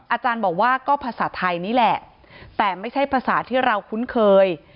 อาจารย์บอกว่าก็ภาษาไทยนี่แหละแต่ไม่ใช่ภาษาที่เราคุ้นเคย